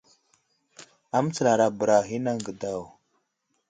Amətsalara bəra a ghinaŋ age daw.